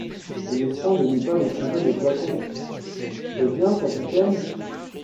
Ayez soin de ne pas vous tromper de flacon. — Hé bien, capitaine!